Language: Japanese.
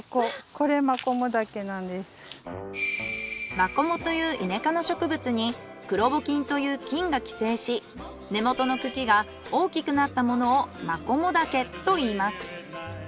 マコモというイネ科の植物に黒穂菌という菌が寄生し根元の茎が大きくなったものをマコモダケといいます。